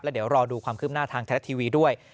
และเดี๋ยวรอดูความคืบหน้าทางท้ายละทีวีด้วย